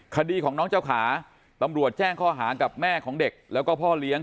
คดีของน้องเจ้าขาตำรวจแจ้งข้อหากับแม่ของเด็กแล้วก็พ่อเลี้ยง